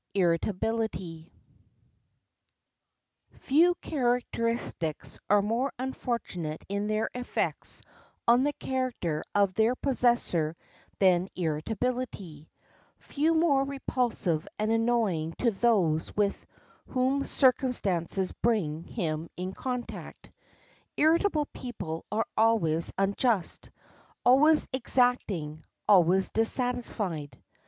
] Few characteristics are more unfortunate in their effects on the character of their possessor than irritability, few more repulsive and annoying to those with whom circumstances bring him in contact. Irritable people are always unjust, always exacting, always dissatisfied.